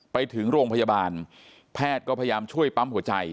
ไปถึงโรงพยาบาลแพทย์ก็พยายามช่วยปั๊มหัวใจ